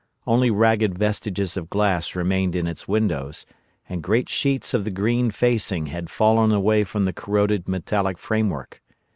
Only ragged vestiges of glass remained in its windows, and great sheets of the green facing had fallen away from the corroded metallic framework.